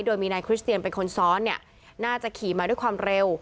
โดยมีนายคริสเตียนเป็นคนซ้อนเนี่ยน่าจะขี่มาด้วยความเร็ว